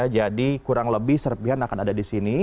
jadi kurang lebih serpihan akan ada di sini